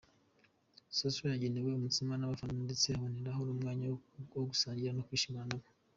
Social yagenewe umutsima n’abafana ndetse aboneraho n’umwanya wo gusangira no kwishimana nabo.